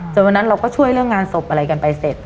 วันนั้นเราก็ช่วยเรื่องงานศพอะไรกันไปเสร็จ